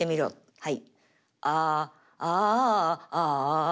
はい。